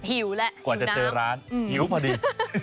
หิวแหละกว่าจะเจอร้านหิวพอดี